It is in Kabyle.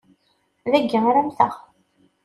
Dagi ara mmteγ.